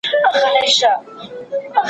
ماشوم ته د لوبو خوندي ځای جوړ کړئ.